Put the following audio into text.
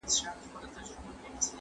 ایا په نړۍ کي داسې نور پوهنتونونه سته؟